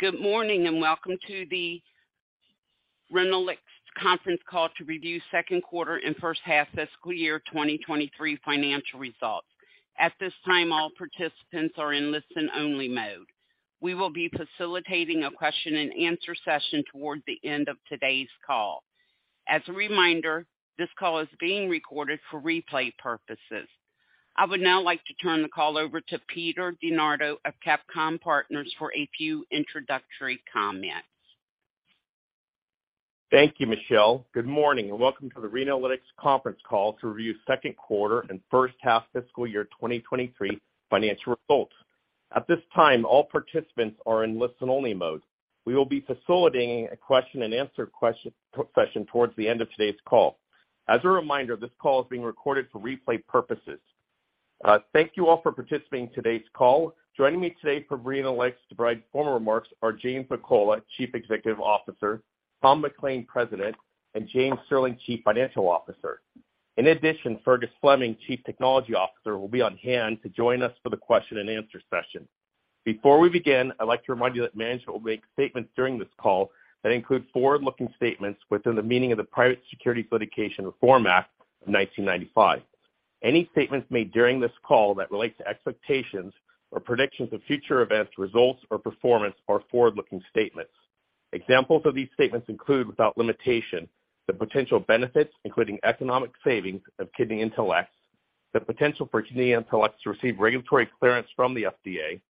Good morning, and welcome to the Renalytix conference call to review second quarter and first half fiscal year 2023 financial results. At this time, all participants are in listen-only mode. We will be facilitating a question-and-answer session towards the end of today's call. As a reminder, this call is being recorded for replay purposes. I would now like to turn the call over to Peter DeNardo of CapComm Partners for a few introductory comments. Thank you, Michelle. Good morning, and welcome to the Renalytix conference call to review second quarter and first half fiscal year 2023 financial results. At this time, all participants are in listen-only mode. We will be facilitating a question-and-answer session towards the end of today's call. As a reminder, this call is being recorded for replay purposes. Thank you all for participating in today's call. Joining me today from Renalytix to provide formal remarks are James McCullough, Chief Executive Officer, Thomas McLain, President, and James Sterling, Chief Financial Officer. In addition, Fergus Fleming, Chief Technology Officer, will be on hand to join us for the question-and-answer session. Before we begin, I'd like to remind you that management will make statements during this call that include forward-looking statements within the meaning of the Private Securities Litigation Reform Act of 1995. Any statements made during this call that relate to expectations or predictions of future events, results, or performance are forward-looking statements. Examples of these statements include, without limitation, the potential benefits, including economic savings of KidneyIntelX, the potential for KidneyIntelX to receive regulatory clearance from the FDA,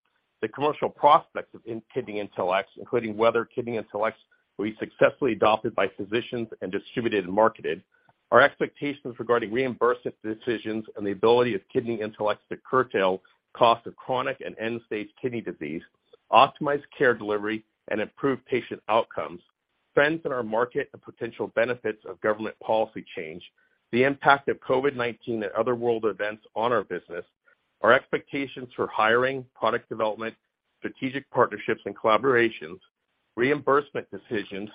the commercial prospects of in KidneyIntelX, including whether KidneyIntelX will be successfully adopted by physicians and distributed and marketed, our expectations regarding reimbursement decisions and the ability of KidneyIntelX to curtail costs of chronic and end-stage kidney disease, optimize care delivery, and improve patient outcomes, trends in our market and potential benefits of government policy change, the impact of COVID-19 and other world events on our business, our expectations for hiring, product development, strategic partnerships and collaborations, reimbursement decisions,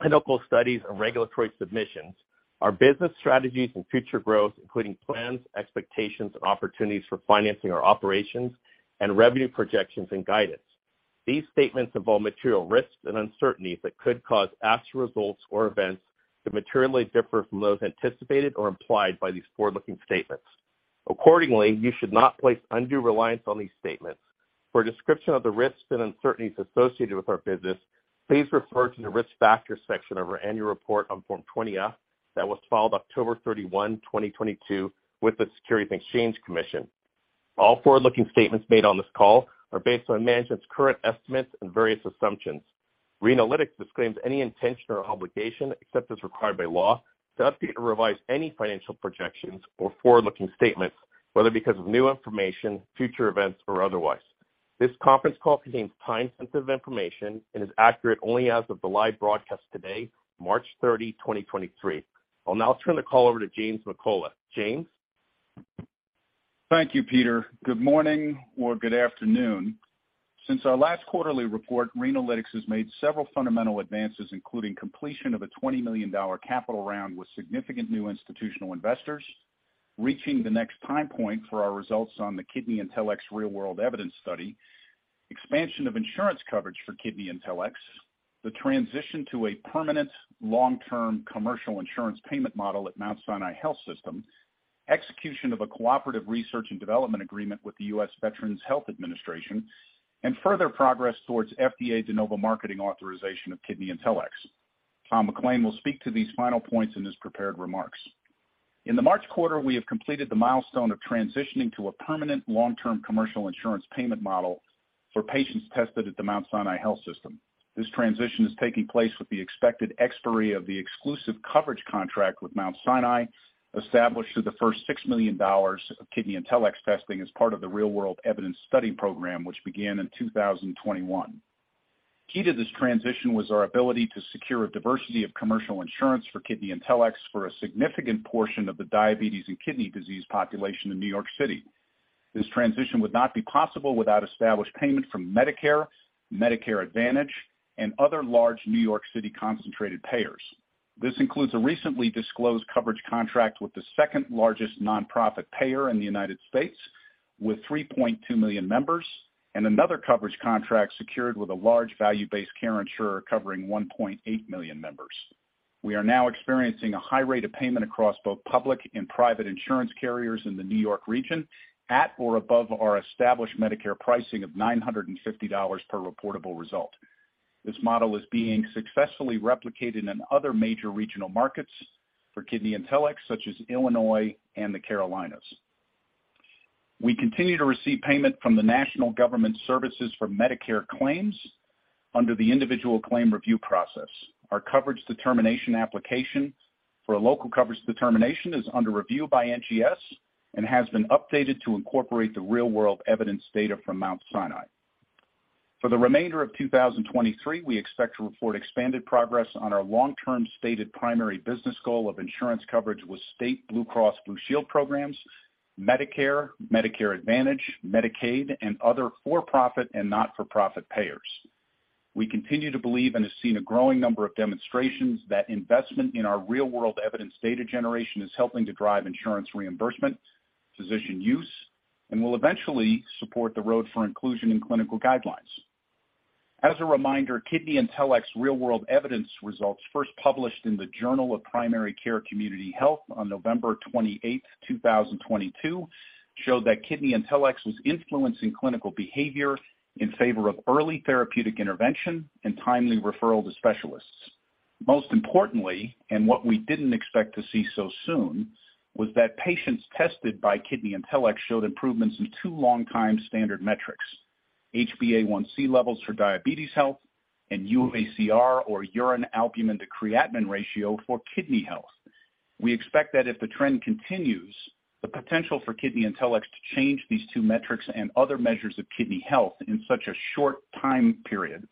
clinical studies and regulatory submissions, our business strategies and future growth, including plans, expectations and opportunities for financing our operations and revenue projections and guidance. These statements involve material risks and uncertainties that could cause actual results or events to materially differ from those anticipated or implied by these forward-looking statements. Accordingly, you should not place undue reliance on these statements. For a description of the risks and uncertainties associated with our business, please refer to the Risk Factors section of our annual report on Form 20-F that was filed October 31, 2022 with the Securities and Exchange Commission. All forward-looking statements made on this call are based on management's current estimates and various assumptions. Renalytix disclaims any intention or obligation, except as required by law, to update or revise any financial projections or forward-looking statements, whether because of new information, future events, or otherwise. This conference call contains time-sensitive information and is accurate only as of the live broadcast today, March 30, 2023. I'll now turn the call over to James McCullough. James. Thank you, Peter. Good morning or good afternoon. Since our last quarterly report, Renalytix has made several fundamental advances, including completion of a $20 million capital round with significant new institutional investors, reaching the next time point for our results on the KidneyIntelX real-world evidence study, expansion of insurance coverage for KidneyIntelX, the transition to a permanent long-term commercial insurance payment model at Mount Sinai Health System, execution of a Cooperative Research and Development Agreement with the U.S. Veterans Health Administration, and further progress towards FDA De Novo marketing authorization of KidneyIntelX. Thomas McLain will speak to these final points in his prepared remarks. In the March quarter, we have completed the milestone of transitioning to a permanent long-term commercial insurance payment model for patients tested at the Mount Sinai Health System. This transition is taking place with the expected expiry of the exclusive coverage contract with Mount Sinai, established through the first $6 million of KidneyIntelX testing as part of the real-world Evidence Study Program, which began in 2021. Key to this transition was our ability to secure a diversity of commercial insurance for KidneyIntelX for a significant portion of the diabetes and kidney disease population in New York City. This transition would not be possible without established payment from Medicare Advantage, and other large New York City concentrated payers. This includes a recently disclosed coverage contract with the second-largest nonprofit payer in the United States with 3.2 million members and another coverage contract secured with a large value-based care insurer covering 1.8 million members. We are now experiencing a high rate of payment across both public and private insurance carriers in the New York region at or above our established Medicare pricing of $950 per reportable result. This model is being successfully replicated in other major regional markets for KidneyIntelX, such as Illinois and the Carolinas. We continue to receive payment from the National Government Services for Medicare claims under the individual claim review process. Our coverage determination application for a Local Coverage Determination is under review by NGS and has been updated to incorporate the real-world evidence data from Mount Sinai. For the remainder of 2023, we expect to report expanded progress on our long-term stated primary business goal of insurance coverage with state Blue Cross Blue Shield programs, Medicare Advantage, Medicaid, and other for-profit and not-for-profit payers. We continue to believe and have seen a growing number of demonstrations that investment in our real-world evidence data generation is helping to drive insurance reimbursement, physician use, will eventually support the road for inclusion in clinical guidelines. As a reminder, KidneyIntelX's real-world evidence results, first published in the Journal of Primary Care & Community Health on November 28, 2022, showed that KidneyIntelX was influencing clinical behavior in favor of early therapeutic intervention and timely referral to specialists. Most importantly, what we didn't expect to see so soon, was that patients tested by KidneyIntelX showed improvements in two long-time standard metrics: HbA1c levels for diabetes health and UACR, or urine albumin-to-creatinine ratio, for kidney health. We expect that if the trend continues, the potential for KidneyIntelX to change these two metrics and other measures of kidney health in such a short time period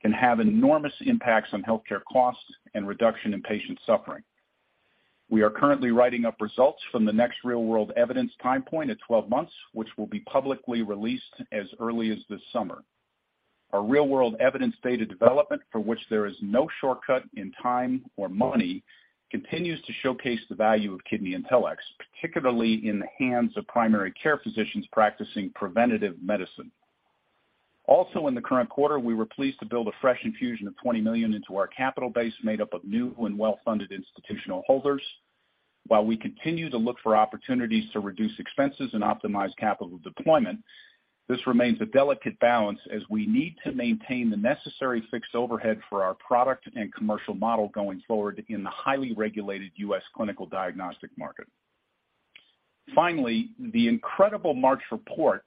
can have enormous impacts on healthcare costs and reduction in patient suffering. We are currently writing up results from the next real-world evidence time point at 12 months, which will be publicly released as early as this summer. Our real-world evidence data development, for which there is no shortcut in time or money, continues to showcase the value of KidneyIntelX, particularly in the hands of primary care physicians practicing preventive medicine. In the current quarter, we were pleased to build a fresh infusion of $20 million into our capital base made up of new and well-funded institutional holders. While we continue to look for opportunities to reduce expenses and optimize capital deployment, this remains a delicate balance as we need to maintain the necessary fixed overhead for our product and commercial model going forward in the highly regulated U.S. clinical diagnostic market. Finally, the incredible March report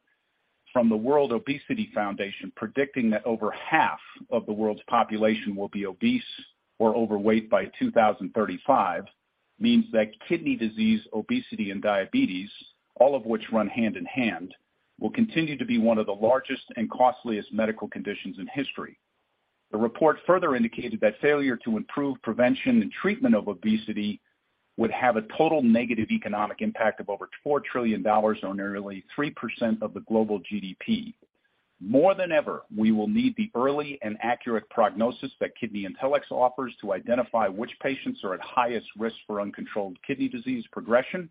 from the World Obesity Federation predicting that over half of the world's population will be obese or overweight by 2035 means that kidney disease, obesity, and diabetes, all of which run hand in hand, will continue to be one of the largest and costliest medical conditions in history. The report further indicated that failure to improve prevention and treatment of obesity would have a total negative economic impact of over $4 trillion on nearly 3% of the global GDP. More than ever, we will need the early and accurate prognosis that KidneyIntelX offers to identify which patients are at highest risk for uncontrolled kidney disease progression,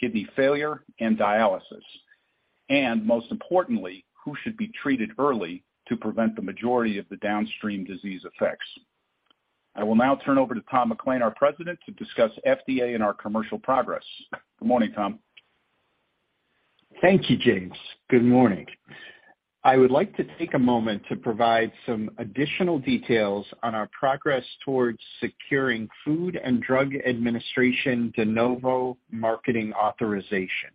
kidney failure, and dialysis. Most importantly, who should be treated early to prevent the majority of the downstream disease effects. I will now turn over to Tom McLain, our president, to discuss FDA and our commercial progress. Good morning, Tom. Thank you, James. Good morning. I would like to take a moment to provide some additional details on our progress towards securing Food and Drug Administration De Novo marketing authorization.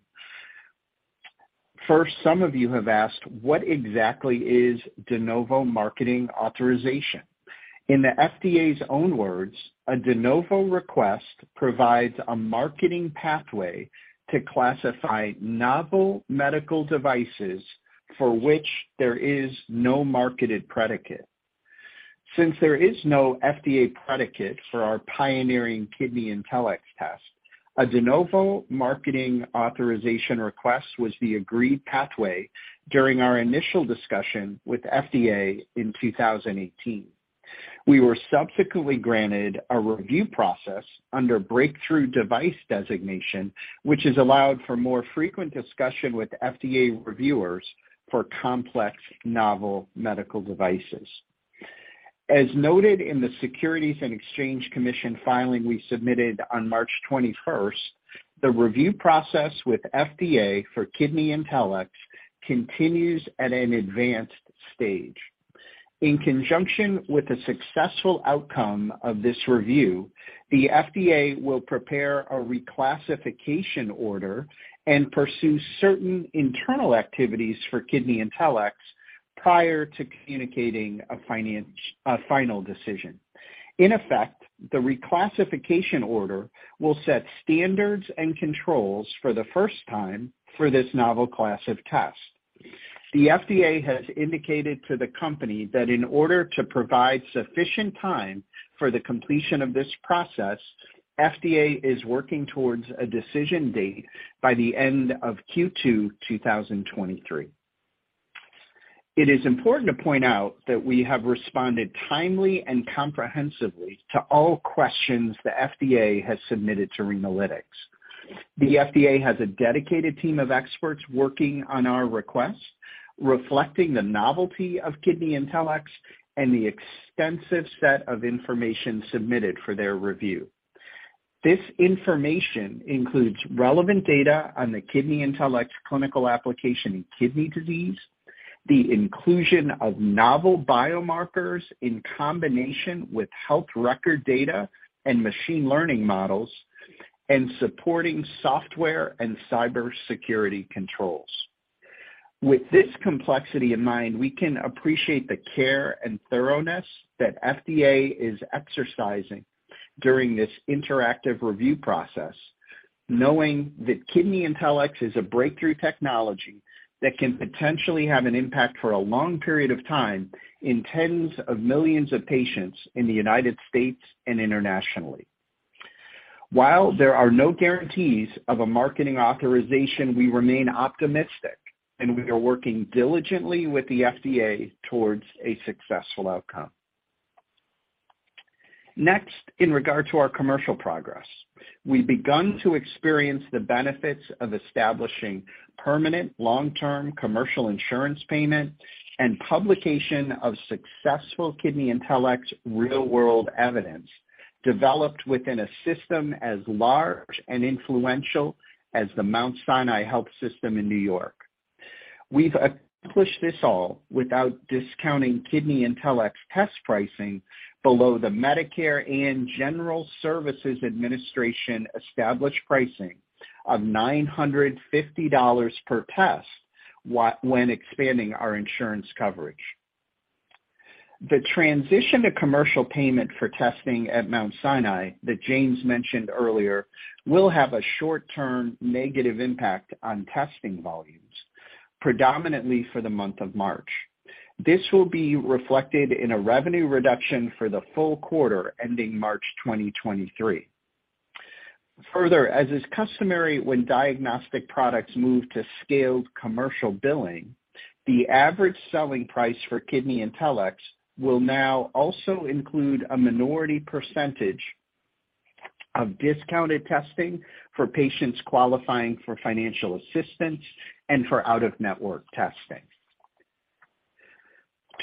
First, some of you have asked, what exactly is De Novo marketing authorization? In the FDA's own words, "A De Novo request provides a marketing pathway to classify novel medical devices for which there is no marketed predicate." Since there is no FDA predicate for our pioneering KidneyIntelX test, a De Novo marketing authorization request was the agreed pathway during our initial discussion with FDA in 2018. We were subsequently granted a review process under Breakthrough Device designation, which has allowed for more frequent discussion with FDA reviewers for complex novel medical devices. Noted in the Securities and Exchange Commission filing we submitted on March 21st, the review process with FDA for KidneyIntelX continues at an advanced stage. In conjunction with the successful outcome of this review, the FDA will prepare a reclassification order and pursue certain internal activities for KidneyIntelX prior to communicating a final decision. In effect, the reclassification order will set standards and controls for the first time for this novel class of test. The FDA has indicated to the company that in order to provide sufficient time for the completion of this process, FDA is working towards a decision date by the end of Q2 2023. It is important to point out that we have responded timely and comprehensively to all questions the FDA has submitted to Renalytix. The FDA has a dedicated team of experts working on our request, reflecting the novelty of KidneyIntelX and the extensive set of information submitted for their review. This information includes relevant data on the KidneyIntelX clinical application in kidney disease, the inclusion of novel biomarkers in combination with health record data and machine learning models, and supporting software and cybersecurity controls. With this complexity in mind, we can appreciate the care and thoroughness that FDA is exercising during this interactive review process, knowing that KidneyIntelX is a breakthrough technology that can potentially have an impact for a long period of time in tens of millions of patients in the United States and internationally. While there are no guarantees of a marketing authorization, we remain optimistic, we are working diligently with the FDA towards a successful outcome. Next, in regard to our commercial progress. We've begun to experience the benefits of establishing permanent long-term commercial insurance payment and publication of successful KidneyIntelX real-world evidence developed within a system as large and influential as the Mount Sinai Health System in New York. We've accomplished this all without discounting KidneyIntelX test pricing below the Medicare and General Services Administration established pricing of $950 per test when expanding our insurance coverage. The transition to commercial payment for testing at Mount Sinai that James mentioned earlier will have a short-term negative impact on testing volumes, predominantly for the month of March. This will be reflected in a revenue reduction for the full quarter ending March 2023. Further, as is customary when diagnostic products move to scaled commercial billing, the average selling price for KidneyIntelX will now also include a minority percentage of discounted testing for patients qualifying for financial assistance and for out-of-network testing.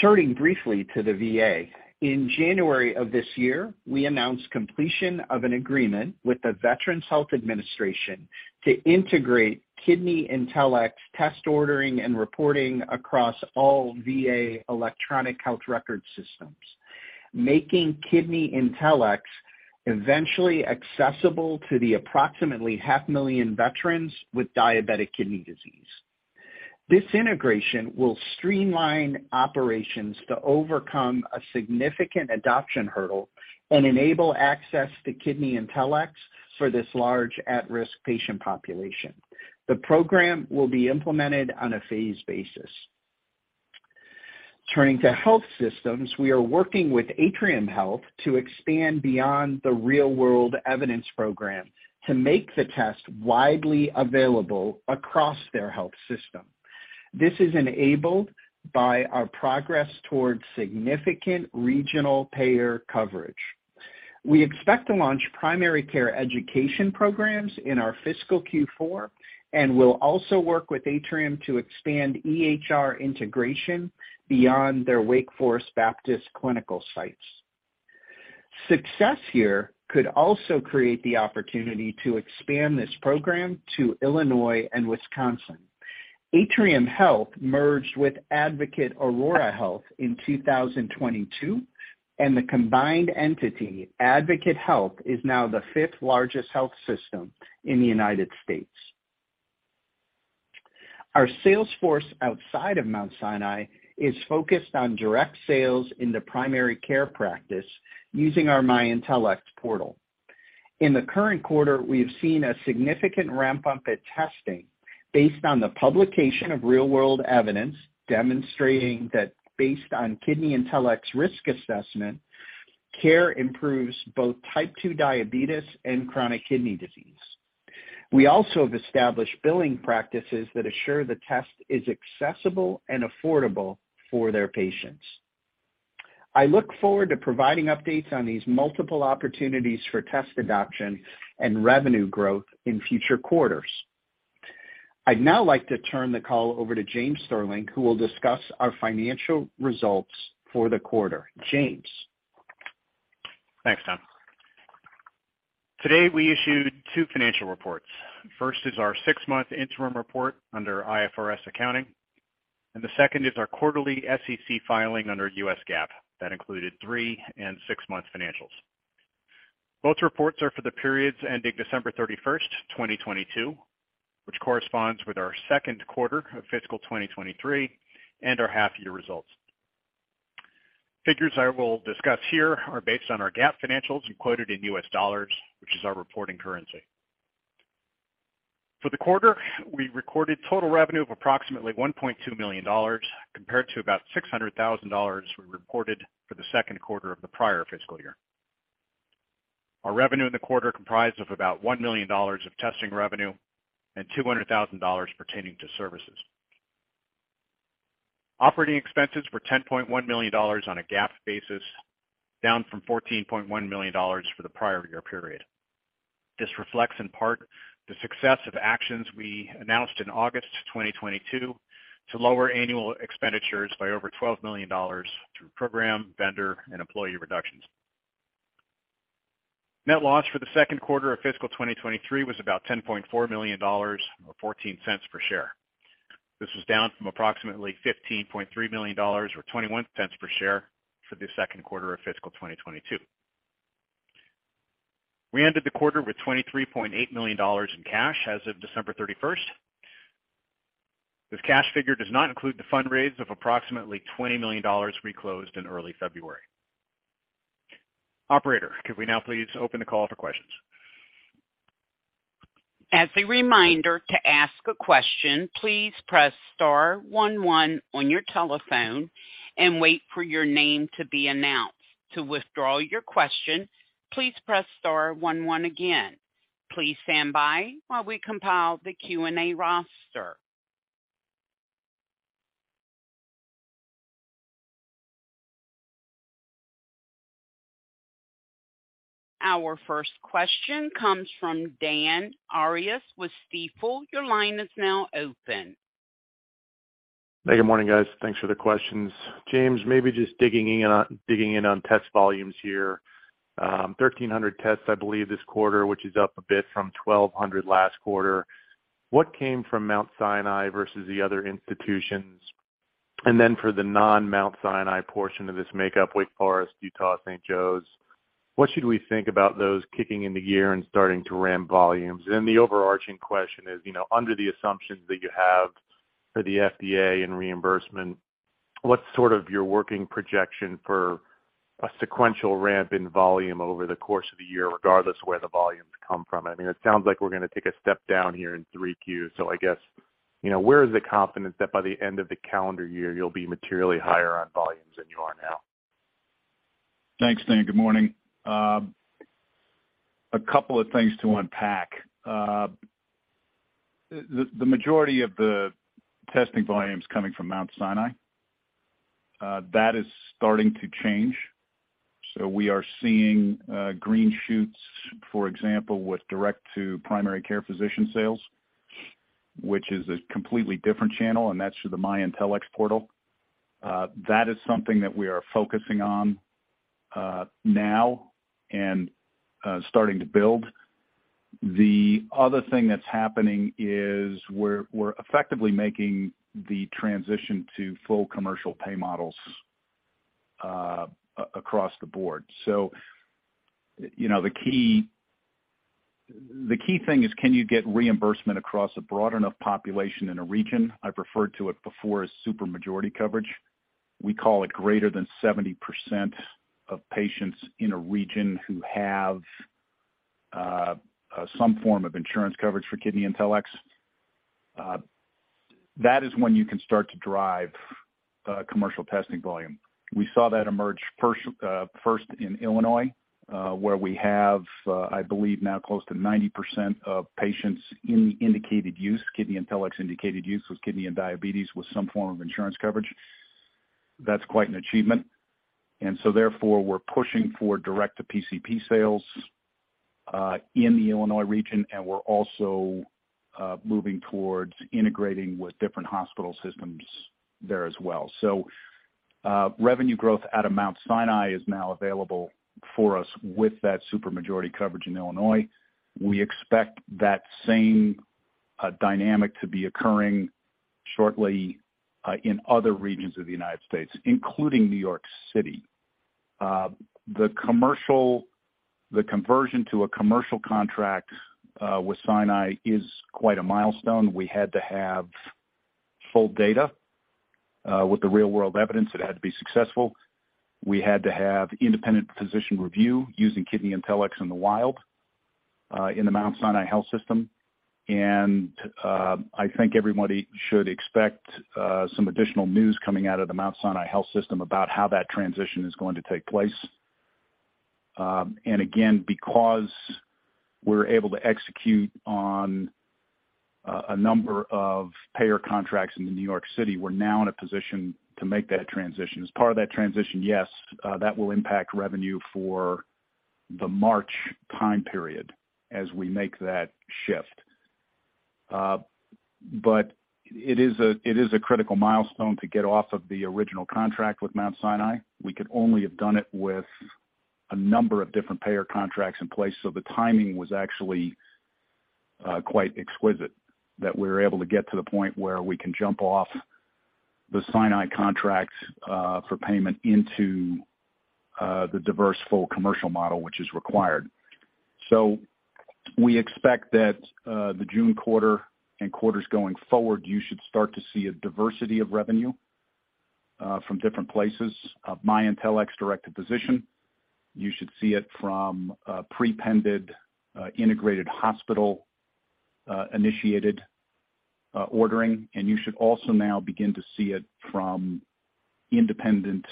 Turning briefly to the VA In January of this year, we announced completion of an agreement with the Veterans Health Administration to integrate KidneyIntelX test ordering and reporting across all VA electronic health record systems, making KidneyIntelX eventually accessible to the approximately half million veterans with diabetic kidney disease. This integration will streamline operations to overcome a significant adoption hurdle and enable access to KidneyIntelX for this large at-risk patient population. The program will be implemented on a phased basis. Turning to health systems. We are working with Atrium Health to expand beyond the real-world evidence program to make the test widely available across their health system. This is enabled by our progress towards significant regional payer coverage. We expect to launch primary care education programs in our fiscal Q4 and will also work with Atrium to expand EHR integration beyond their Wake Forest Baptist clinical sites. Success here could also create the opportunity to expand this program to Illinois and Wisconsin. Atrium Health merged with Advocate Aurora Health in 2022. The combined entity, Advocate Health, is now the fifth largest health system in the United States. Our sales force outside of Mount Sinai is focused on direct sales in the primary care practice using our myIntelX portal. In the current quarter, we have seen a significant ramp-up at testing based on the publication of real-world evidence demonstrating that based on KidneyIntelX's risk assessment, care improves both type 2 diabetes and chronic kidney disease. We also have established billing practices that assure the test is accessible and affordable for their patients. I look forward to providing updates on these multiple opportunities for test adoption and revenue growth in future quarters. I'd now like to turn the call over to James Sterling, who will discuss our financial results for the quarter. James. Thanks, Tom. Today, we issued two financial reports. First is our 6-month interim report under IFRS accounting, and the second is our quarterly SEC filing under U.S. GAAP. That included 3 and 6-month financials. Both reports are for the periods ending December 31st, 2022, which corresponds with our second quarter of fiscal 2023 and our half-year results. Figures I will discuss here are based on our GAAP financials and quoted in U.S. dollars, which is our reporting currency. For the quarter, we recorded total revenue of approximately $1.2 million compared to about $600,000 we reported for the second quarter of the prior fiscal year. Our revenue in the quarter comprised of about $1 million of testing revenue and $200,000 pertaining to services. Operating expenses were $10.1 million on a GAAP basis, down from $14.1 million for the prior year period. This reflects in part the success of actions we announced in August 2022 to lower annual expenditures by over $12 million through program, vendor, and employee reductions. Net loss for the second quarter of fiscal 2023 was about $10.4 million or $0.14 per share. This was down from approximately $15.3 million or $0.21 per share for the second quarter of fiscal 2022. We ended the quarter with $23.8 million in cash as of December 31st. This cash figure does not include the fundraise of approximately $20 million we closed in early February. Operator, could we now please open the call for questions? As a reminder, to ask a question, please press star one one on your telephone and wait for your name to be announced. To withdraw your question, please press star one one again. Please stand by while we compile the Q&A roster. Our first question comes from Dan Arias with Stifel. Your line is now open. Hey, good morning, guys. Thanks for the questions. James, maybe just digging in on test volumes here. 1,300 tests, I believe, this quarter, which is up a bit from 1,200 last quarter. What came from Mount Sinai versus the other institutions? Then for the non-Mount Sinai portion of this makeup, Wake Forest, Utah, St. Joe's, what should we think about those kicking into gear and starting to ramp volumes? The overarching question is, you know, under the assumptions that you have for the FDA and reimbursement, what's sort of your working projection for a sequential ramp in volume over the course of the year, regardless of where the volumes come from? I mean, it sounds like we're gonna take a step down here in 3Qs. I guess, you know, where is the confidence that by the end of the calendar year you'll be materially higher on volumes than you are now? Thanks, Dan. Good morning. A couple of things to unpack. The majority of the testing volume is coming from Mount Sinai. That is starting to change. We are seeing green shoots, for example, with direct to primary care physician sales, which is a completely different channel, and that's through the myIntelX portal. That is something that we are focusing on now and starting to build. The other thing that's happening is we're effectively making the transition to full commercial pay models across the board. You know, the key thing is can you get reimbursement across a broad enough population in a region? I referred to it before as super majority coverage. We call it greater than 70% of patients in a region who have some form of insurance coverage for KidneyIntelX. That is when you can start to drive commercial testing volume. We saw that emerge first in Illinois, where we have, I believe now close to 90% of patients in the indicated use, KidneyIntelX indicated use with kidney and diabetes with some form of insurance coverage. That's quite an achievement. Therefore, we're pushing for direct to PCP sales in the Illinois region, and we're also moving towards integrating with different hospital systems there as well. Revenue growth out of Mount Sinai is now available for us with that super majority coverage in Illinois. We expect that same dynamic to be occurring shortly in other regions of the United States, including New York City. The conversion to a commercial contract with Sinai is quite a milestone. We had to have full data, with the real-world evidence, it had to be successful. We had to have independent physician review using KidneyIntelX in the wild, in the Mount Sinai Health System. I think everybody should expect some additional news coming out of the Mount Sinai Health System about how that transition is going to take place. Again, because we're able to execute on a number of payer contracts in New York City, we're now in a position to make that transition. As part of that transition, that will impact revenue for the March time period as we make that shift. It is a critical milestone to get off of the original contract with Mount Sinai. We could only have done it with a number of different payer contracts in place. The timing was actually quite exquisite that we're able to get to the point where we can jump off the Mount Sinai Health System contracts for payment into the diverse full commercial model, which is required. We expect that the June quarter and quarters going forward, you should start to see a diversity of revenue from different places of myIntelX directed physician. You should see it from prepended, integrated hospital, initiated ordering. You should also now begin to see it from independent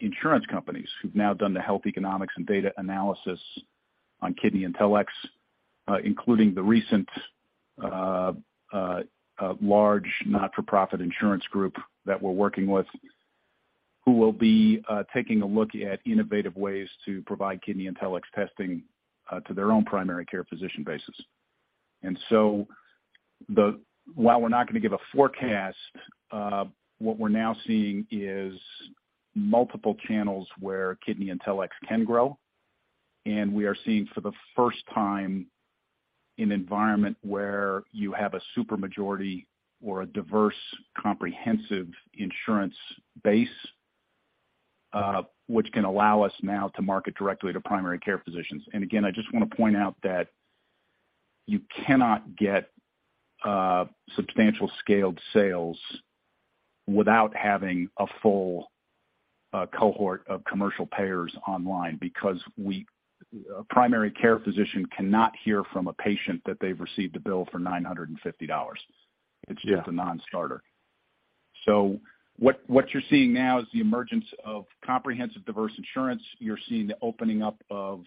insurance companies who've now done the health economics and data analysis on KidneyIntelX, including the recent large not-for-profit insurance group that we're working with, who will be taking a look at innovative ways to provide KidneyIntelX testing to their own primary care physician bases. While we're not gonna give a forecast, what we're now seeing is multiple channels where KidneyIntelX can grow. We are seeing for the first time an environment where you have a super majority or a diverse comprehensive insurance base, which can allow us now to market directly to primary care physicians. Again, I just wanna point out that you cannot get substantial scaled sales without having a full cohort of commercial payers online because a primary care physician cannot hear from a patient that they've received a bill for $950. It's just a non-starter. What you're seeing now is the emergence of comprehensive diverse insurance. You're seeing the opening up of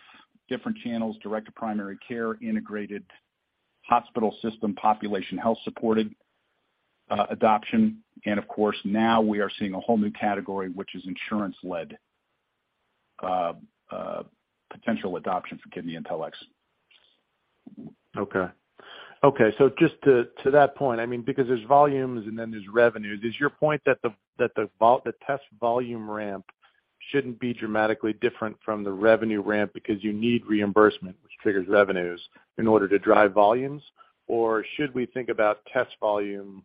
different channels, direct to primary care, integrated hospital system population health supported adoption. Of course, now we are seeing a whole new category, which is insurance-led, potential adoption for KidneyIntelX. Okay. Okay. Just to that point, I mean, because there's volumes and then there's revenues, is your point that the test volume ramp shouldn't be dramatically different from the revenue ramp because you need reimbursement, which triggers revenues in order to drive volumes? Or should we think about test volume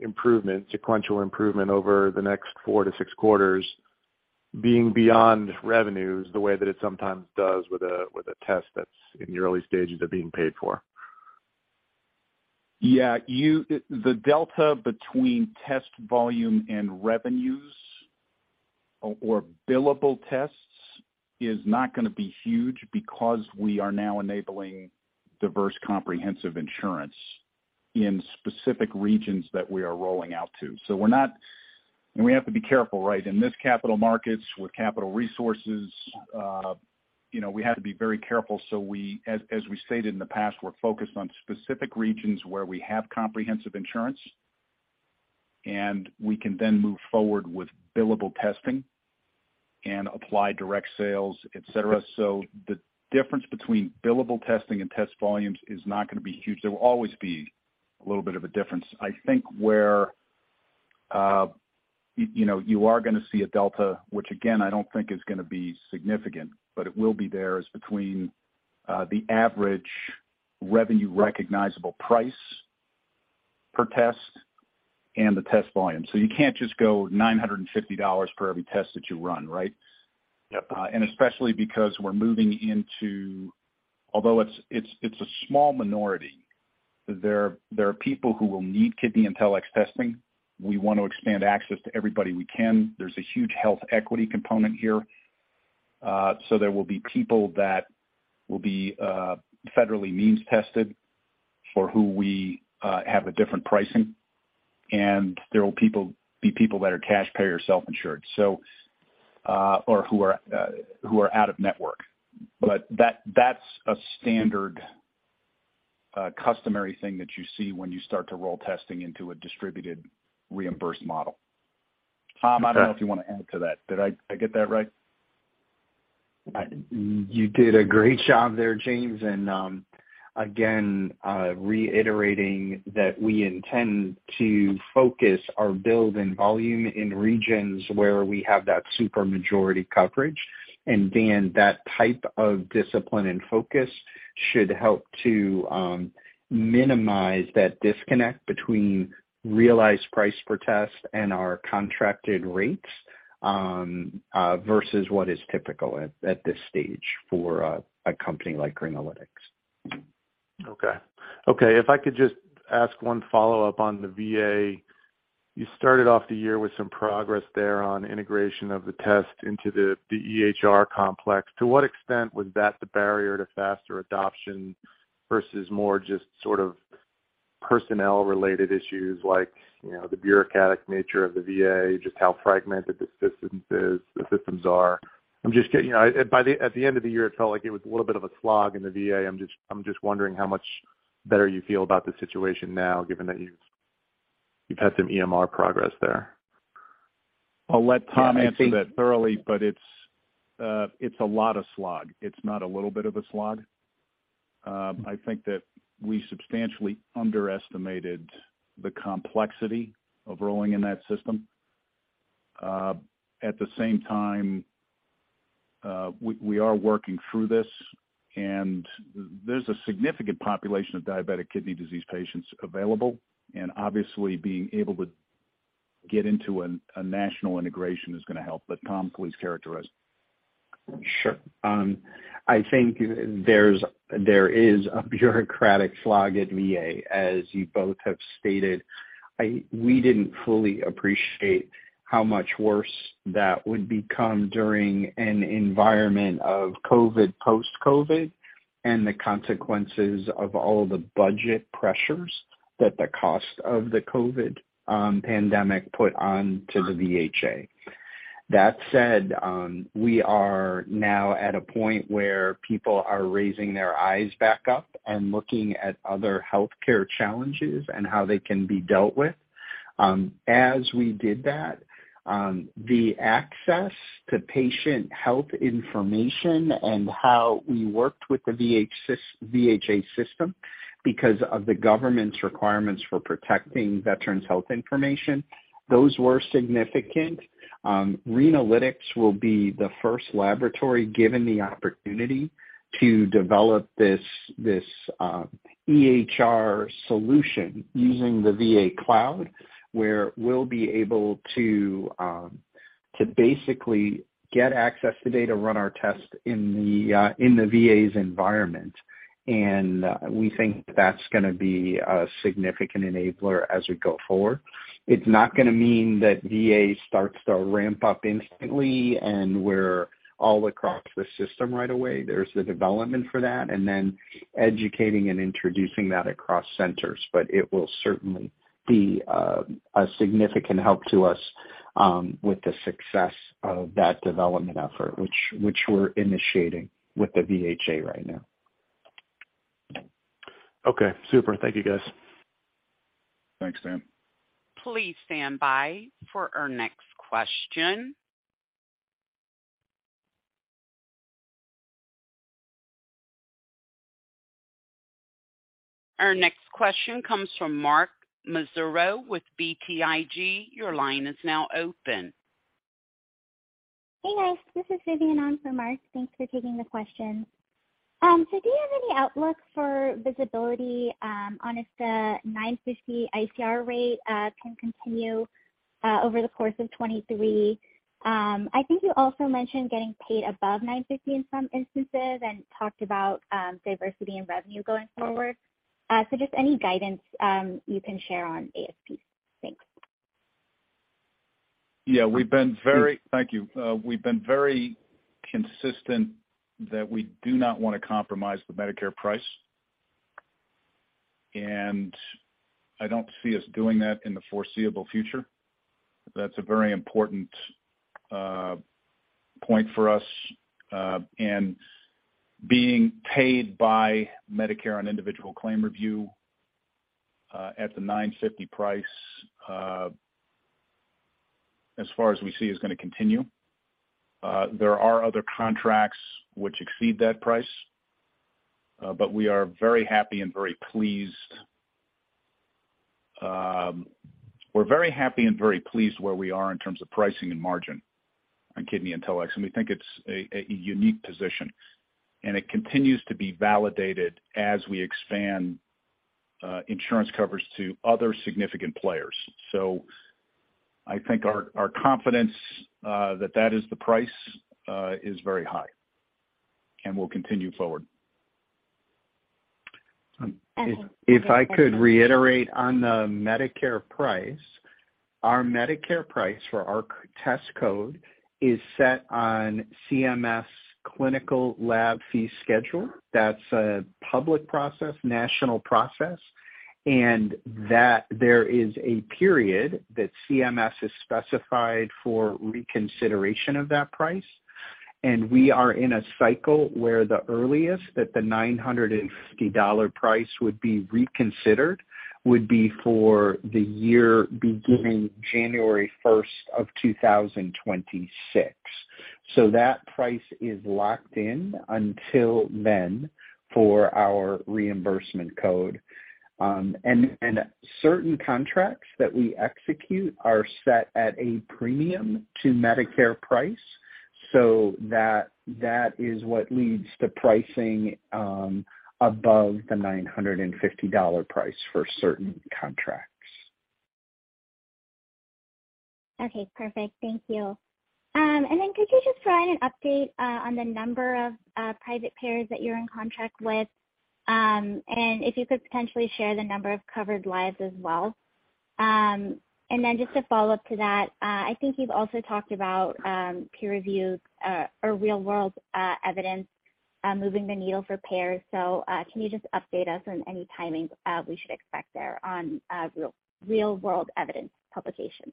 improvement, sequential improvement over the next 4 to 6 quarters being beyond revenues the way that it sometimes does with a, with a test that's in the early stages of being paid for? Yeah. The delta between test volume and revenues or billable tests is not gonna be huge because we are now enabling diverse comprehensive insurance in specific regions that we are rolling out to. We have to be careful, right? In this capital markets with capital resources, you know, we have to be very careful. As we stated in the past, we're focused on specific regions where we have comprehensive insurance, and we can then move forward with billable testing and apply direct sales, et cetera. The difference between billable testing and test volumes is not gonna be huge. There will always be a little bit of a difference. I think where, you know, you are gonna see a delta, which again, I don't think is gonna be significant, but it will be there, is between the average revenue recognizable price per test and the test volume. You can't just go $950 for every test that you run, right? Yep. Especially because we're moving into, although it's a small minority, there are people who will need KidneyIntelX testing. We want to expand access to everybody we can. There's a huge health equity component here. There will be people that will be federally means tested for who we have a different pricing, and there will be people that are cash payer, self-insured. Who are out of network. That's a standard customary thing that you see when you start to roll testing into a distributed reimbursed model. Tom, I don't know if you wanna add to that. Did I get that right? You did a great job there, James. Again, reiterating that we intend to focus our build and volume in regions where we have that super majority coverage. That type of discipline and focus should help to minimize that disconnect between realized price per test and our contracted rates versus what is typical at this stage for a company like Renalytix. Okay, if I could just ask one follow-up on the VA. You started off the year with some progress there on integration of the test into the EHR complex. To what extent was that the barrier to faster adoption versus more just sort of personnel related issues like, you know, the bureaucratic nature of the VA, just how fragmented the systems are? You know, at the end of the year, it felt like it was a little bit of a slog in the VA. I'm just wondering how much better you feel about the situation now, given that you've had some EMR progress there. I'll let Tom answer that thoroughly, but it's a lot of slog. It's not a little bit of a slog. I think that we substantially underestimated the complexity of rolling in that system. At the same time, we are working through this, and there's a significant population of diabetic kidney disease patients available, and obviously being able to get into a national integration is gonna help. Tom, please characterize. Sure. I think there is a bureaucratic slog at VA, as you both have stated. We didn't fully appreciate how much worse that would become during an environment of COVID, post-COVID, and the consequences of all the budget pressures that the cost of the COVID pandemic put onto the VHA. That said, we are now at a point where people are raising their eyes back up and looking at other healthcare challenges and how they can be dealt with. As we did that, the access to patient health information and how we worked with the VHA system because of the government's requirements for protecting veterans' health information, those were significant. Renalytix will be the first laboratory given the opportunity to develop this EHR solution using the VA cloud, where we'll be able to basically get access to data, run our tests in the VA's environment. We think that's gonna be a significant enabler as we go forward. It's not gonna mean that VA starts to ramp up instantly and we're all across the system right away. There's the development for that, and then educating and introducing that across centers. It will certainly be a significant help to us with the success of that development effort, which we're initiating with the VHA right now. Okay, super. Thank you, guys. Thanks, Dan. Please stand by for our next question. Our next question comes from Mark Massaro with BTIG. Your line is now open. Hey, guys. This is Vivian on for Mark. Thanks for taking the question. Do you have any outlook for visibility on if the $950 ICR rate can continue over the course of 2023? I think you also mentioned getting paid above $950 in some instances and talked about diversity in revenue going forward. Just any guidance you can share on ASPs. Thanks. Yeah, we've been very thank you. We've been very consistent that we do not wanna compromise the Medicare price. I don't see us doing that in the foreseeable future. That's a very important point for us, and being paid by Medicare on individual claim review at the $950 price, as far as we see, is gonna continue. There are other contracts which exceed that price. We are very happy and very pleased where we are in terms of pricing and margin on KidneyIntelX, and we think it's a unique position, and it continues to be validated as we expand insurance coverage to other significant players. I think our confidence that that is the price is very high and will continue forward. Okay. If I could reiterate on the Medicare price. Our Medicare price for our c-test code is set on CMS's Clinical Laboratory Fee Schedule. That's a public process, national process, and that there is a period that CMS has specified for reconsideration of that price. We are in a cycle where the earliest that the $950 price would be reconsidered would be for the year beginning January first of 2026. That price is locked in until then for our reimbursement code. Certain contracts that we execute are set at a premium to Medicare price. That is what leads to pricing above the $950 price for certain contracts. Okay. Perfect. Thank you. Could you just provide an update on the number of private payers that you're in contract with? If you could potentially share the number of covered lives as well. Just a follow-up to that, I think you've also talked about peer reviews or real-world evidence moving the needle for payers. Can you just update us on any timing we should expect there on real-world evidence publications?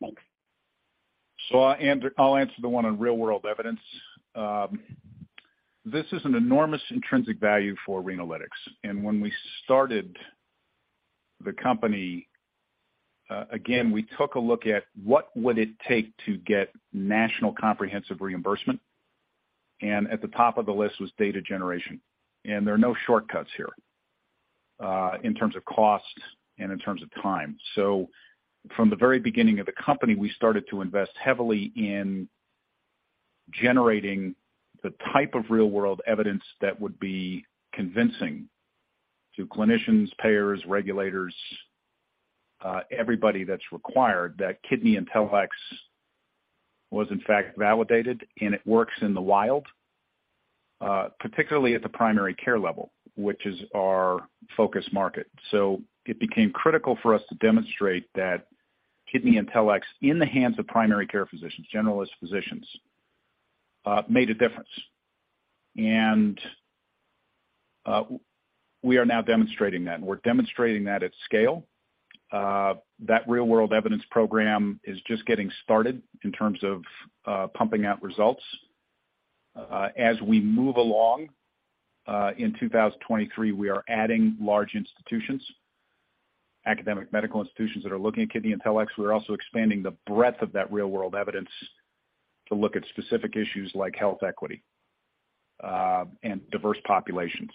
Thanks. I'll answer the one on real-world evidence. This is an enormous intrinsic value for Renalytix. When we started the company, again, we took a look at what would it take to get national comprehensive reimbursement, and at the top of the list was data generation. There are no shortcuts here, in terms of cost and in terms of time. From the very beginning of the company, we started to invest heavily in generating the type of real-world evidence that would be convincing to clinicians, payers, regulators, everybody that's required, that KidneyIntelX was in fact validated and it works in the wild, particularly at the primary care level, which is our focus market. It became critical for us to demonstrate that KidneyIntelX in the hands of primary care physicians, generalist physicians, made a difference. We are now demonstrating that, and we're demonstrating that at scale. That real-world evidence program is just getting started in terms of pumping out results. As we move along in 2023, we are adding large institutions, academic medical institutions that are looking at KidneyIntelX. We're also expanding the breadth of that real-world evidence to look at specific issues like health equity, and diverse populations.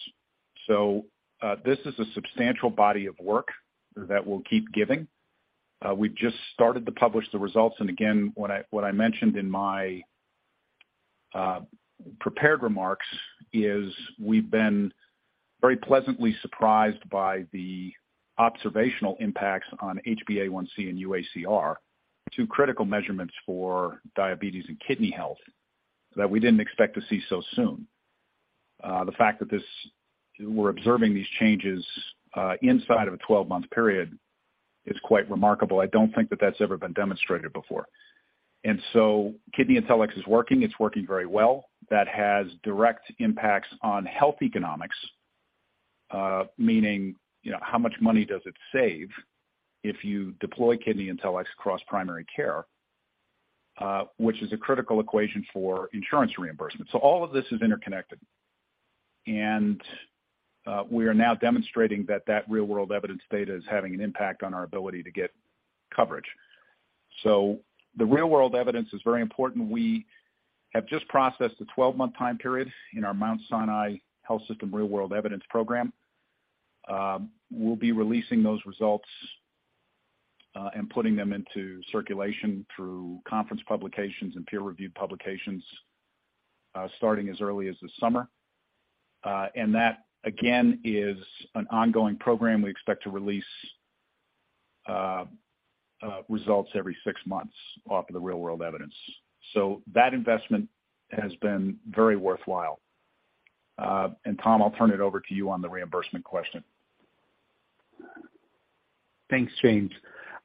This is a substantial body of work that we'll keep giving. We've just started to publish the results. Again, what I mentioned in my prepared remarks is we've been very pleasantly surprised by the observational impacts on HbA1c and UACR, two critical measurements for diabetes and kidney health that we didn't expect to see so soon. The fact that we're observing these changes inside of a 12-month period is quite remarkable. I don't think that that's ever been demonstrated before. KidneyIntelX is working. It's working very well. That has direct impacts on health economics, meaning, you know, how much money does it save if you deploy KidneyIntelX across primary care? Which is a critical equation for insurance reimbursement. All of this is interconnected. We are now demonstrating that that real-world evidence data is having an impact on our ability to get coverage. The real-world evidence is very important. We have just processed a 12-month time period in our Mount Sinai Health System real-world evidence program. We'll be releasing those results and putting them into circulation through conference publications and peer-reviewed publications starting as early as this summer. That, again, is an ongoing program. We expect to release results every six months off of the real-world evidence. That investment has been very worthwhile. Tom, I'll turn it over to you on the reimbursement question. Thanks, James.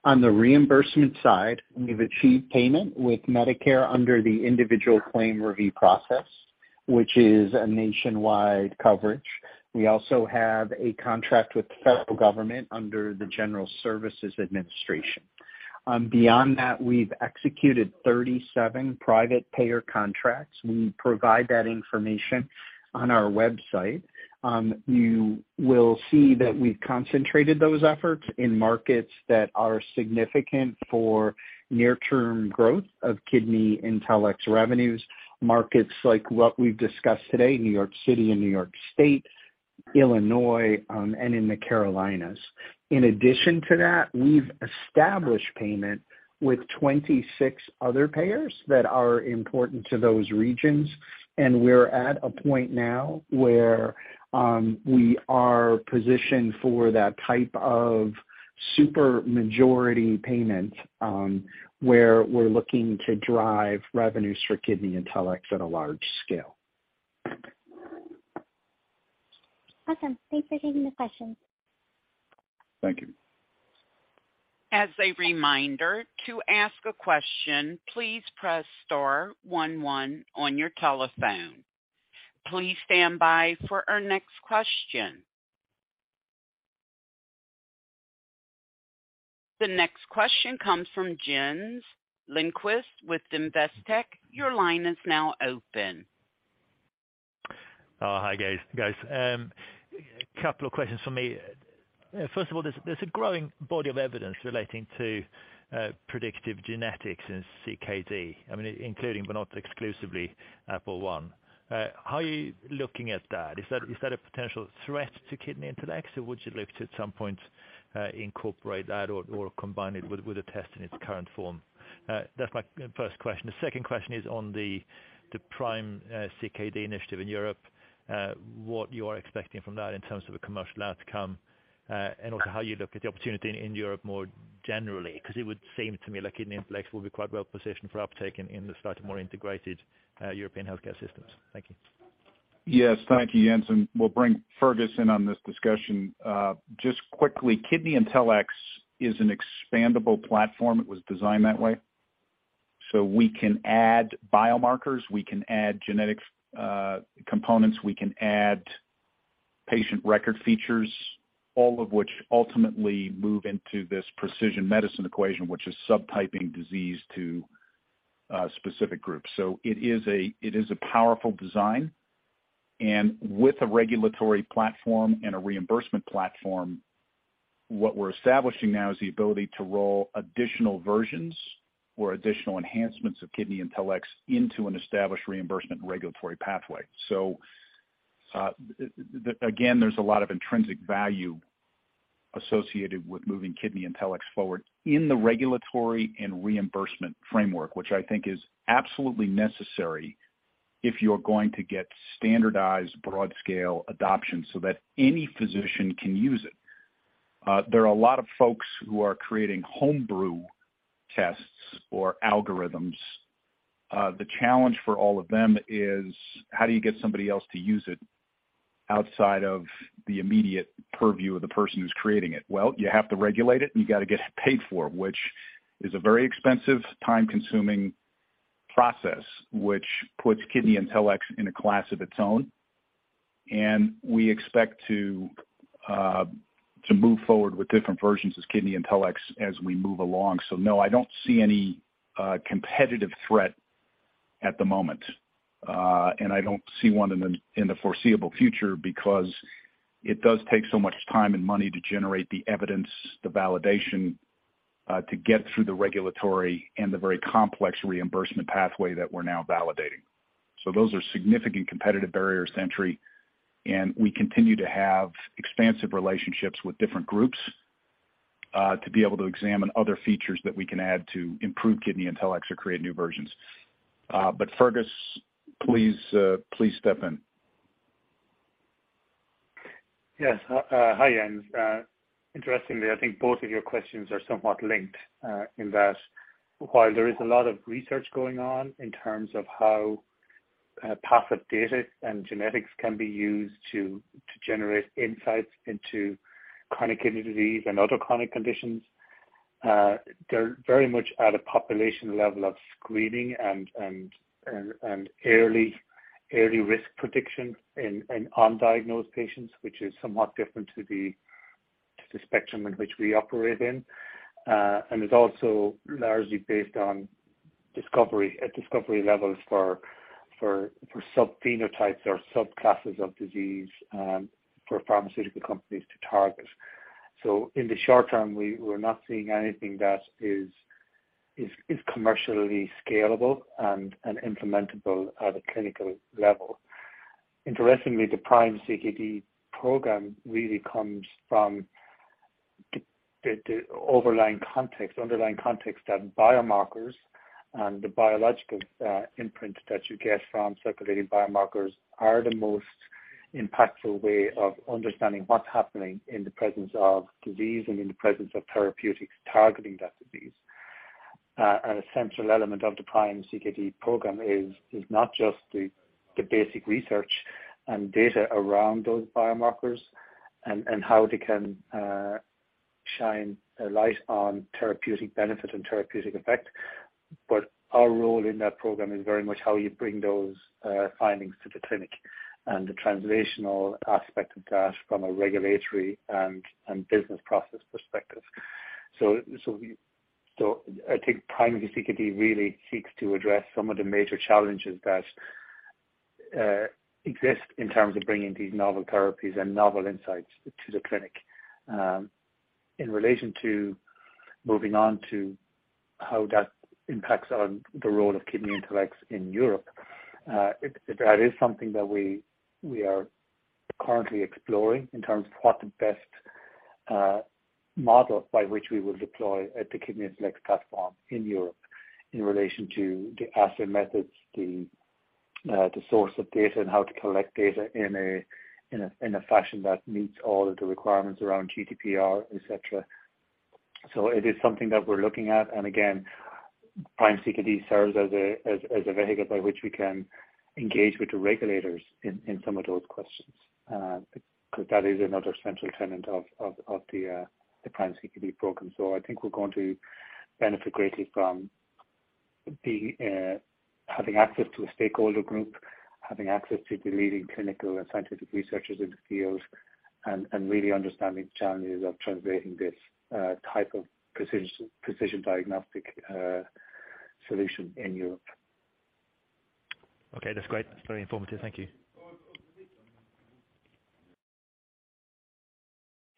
On the reimbursement side, we've achieved payment with Medicare under the individual claim review process, which is a nationwide coverage. We also have a contract with the federal government under the General Services Administration. Beyond that, we've executed 37 private payer contracts. We provide that information on our website. You will see that we've concentrated those efforts in markets that are significant for near-term growth of KidneyIntelX's revenues. Markets like what we've discussed today, New York City and New York State, Illinois, and in the Carolinas. In addition to that, we've established payment with 26 other payers that are important to those regions, and we're at a point now where we are positioned for that type of super majority payment, where we're looking to drive revenues for KidneyIntelX at a large scale. Awesome. Thanks for taking the question. Thank you. As a reminder, to ask a question, please press star one one on your telephone. Please stand by for our next question. The next question comes from Jens Lindqvist with Investec. Your line is now open. Hi guys. A couple of questions for me. First of all, there's a growing body of evidence relating to predictive genetics in CKD. I mean, including but not exclusively APOL1. How are you looking at that? Is that a potential threat to KidneyIntelX? Would you look to at some point incorporate that or combine it with a test in its current form? That's my first question. The second question is on the PRIME-CKD initiative in Europe. What you are expecting from that in terms of a commercial outcome, and also how you look at the opportunity in Europe more generally. It would seem to me like KidneyIntelX will be quite well positioned for uptake in the slightly more integrated European healthcare systems. Thank you. Yes. Thank you, Jens. We'll bring Fergus in on this discussion. Just quickly, KidneyIntelX is an expandable platform. It was designed that way. We can add biomarkers, we can add genetic components, we can add patient record features, all of which ultimately move into this precision medicine equation, which is subtyping disease to specific groups. It is a, it is a powerful design. With a regulatory platform and a reimbursement platform, what we're establishing now is the ability to roll additional versions or additional enhancements of KidneyIntelX into an established reimbursement regulatory pathway. Again, there's a lot of intrinsic value associated with moving KidneyIntelX forward in the regulatory and reimbursement framework, which I think is absolutely necessary if you're going to get standardized broad-scale adoption so that any physician can use it. There are a lot of folks who are creating homebrew tests or algorithms. The challenge for all of them is how do you get somebody else to use it outside of the immediate purview of the person who's creating it? Well, you have to regulate it and you got to get it paid for, which is a very expensive, time-consuming process, which puts KidneyIntelX in a class of its own. We expect to move forward with different versions of KidneyIntelX as we move along. No, I don't see any competitive threat at the moment. I don't see one in the foreseeable future because it does take so much time and money to generate the evidence, the validation, to get through the regulatory and the very complex reimbursement pathway that we're now validating. Those are significant competitive barriers to entry, and we continue to have expansive relationships with different groups, to be able to examine other features that we can add to improve KidneyIntelX or create new versions. Fergus, please step in. Yes. Hi, Jens. Interestingly, I think both of your questions are somewhat linked, in that while there is a lot of research going on in terms of how passive data and genetics can be used to generate insights into chronic kidney disease and other chronic conditions, they're very much at a population level of screening and early risk prediction in undiagnosed patients, which is somewhat different to the spectrum in which we operate in, and is also largely based on discovery, at discovery levels for subphenotypes or subclasses of disease, for pharmaceutical companies to target. In the short term, we're not seeing anything that is commercially scalable and implementable at a clinical level. Interestingly, the PRIME-CKD program really comes from the overlying context, underlying context that biomarkers and the biological imprint that you get from circulating biomarkers are the most impactful way of understanding what's happening in the presence of disease and in the presence of therapeutics targeting that disease. An essential element of the PRIME-CKD program is not just the basic research and data around those biomarkers and how they can shine a light on therapeutic benefit and therapeutic effect. Our role in that program is very much how you bring those findings to the clinic and the translational aspect of that from a regulatory and business process perspective. I think PRIME-CKD really seeks to address some of the major challenges that exist in terms of bringing these novel therapies and novel insights to the clinic. In relation to moving on to how that impacts on the role of KidneyIntelX in Europe, that is something that we are currently exploring in terms of what the best model by which we will deploy the KidneyIntelX platform in Europe in relation to the asset methods, the source of data, and how to collect data in a fashion that meets all of the requirements around GDPR, et cetera. It is something that we're looking at. Again, PRIME-CKD serves as a vehicle by which we can engage with the regulators in some of those questions. 'Cause that is another central tenet of the PRIME-CKD program. I think we're going to benefit greatly from the having access to a stakeholder group, having access to the leading clinical and scientific researchers in the field and really understanding the challenges of translating this type of precision diagnostic solution in Europe. Okay, that's great. That's very informative. Thank you.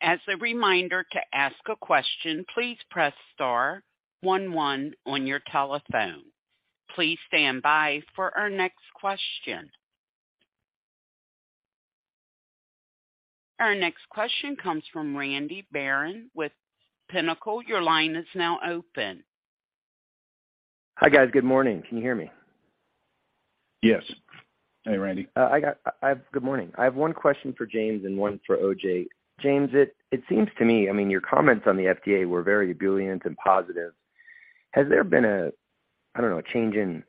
As a reminder to ask a question, please press star one one on your telephone. Please stand by for our next question. Our next question comes from Randy Baron with Pinnacle. Your line is now open. Hi, guys. Good morning. Can you hear me? Yes. Hey, Randy Baron. Good morning. I have one question for James and one for O.J. James, it seems to me, I mean, your comments on the FDA were very ebullient and positive. Has there been, I don't know, change in